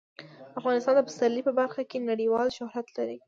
افغانستان د پسرلی په برخه کې نړیوال شهرت لري.